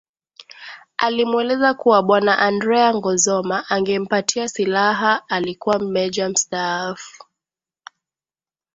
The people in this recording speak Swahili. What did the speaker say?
Alimweleza kuwa bwana Andrea Ngozoma angempatia silaha alikuwa meja mstaafu